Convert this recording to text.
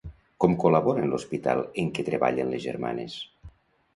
Com col·labora en l'hospital en què treballaven les germanes?